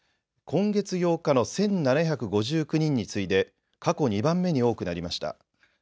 今月８日の１７５９人に次いで過去２番目に多くなりました。